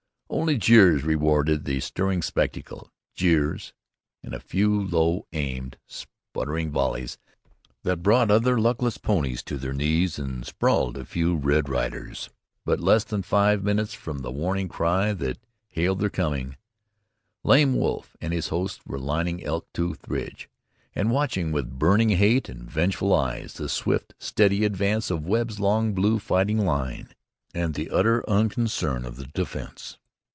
Only jeers rewarded the stirring spectacle, jeers and a few low aimed, sputtering volleys that brought other luckless ponies to their knees and sprawled a few red riders. But in less than five minutes from the warning cry that hailed their coming, Lame Wolf and his hosts were lining Elk Tooth ridge and watching with burning hate and vengeful eyes the swift, steady advance of Webb's long blue fighting line, and the utter unconcern of the defence.